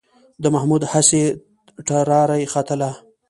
د محمود هسې ټراري ختله.